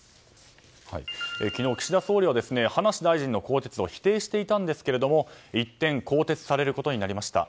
昨日、岸田総理は葉梨大臣の更迭を否定していたんですが一転更迭されることになりました。